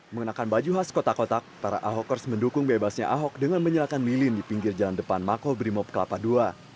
mengenakan baju khas kotak kotak para ahokers mendukung bebasnya ahok dengan menyalakan lilin di pinggir jalan depan makobrimob kelapa ii